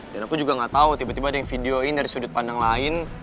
dan aku juga gak tau tiba tiba ada yang videoin dari sudut pandang lain